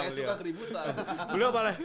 saya suka keributan